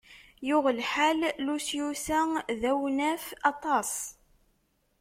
Yuɣ lḥal Lusyus-a d awnaf aṭas.